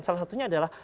salah satunya adalah